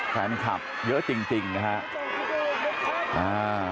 แฟนคลับเยอะจริงนะฮะ